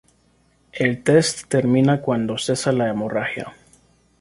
El test termina cuando cesa la hemorragia.